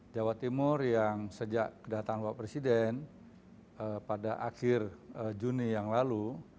jawa timur yang sejak kedatangan pak presiden pada akhir juni yang lalu